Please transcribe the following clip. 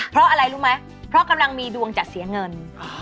เพราะอะไรรู้ไหมเพราะกำลังมีดวงจะเสียเงิน